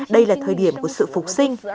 đây là thời điểm của sự phục sinh